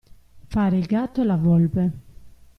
Fare il gatto e la volpe.